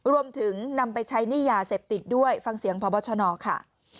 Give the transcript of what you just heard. รวมถึงนำไปใช้หนี้ยาเสพติดด้วยฟังเสียงพบชนค่ะ